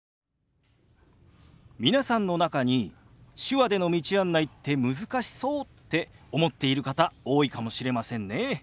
皆さんの中に手話での道案内って難しそうって思っている方多いかもしれませんね。